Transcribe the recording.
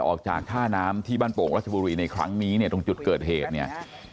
ออกจากท่าน้ำที่บ้านโป่งรัชบุรีในครั้งนี้เนี่ยตรงจุดเกิดเหตุเนี่ย